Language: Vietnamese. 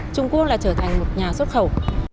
trung quốc là trở thành một nhà xuất khẩu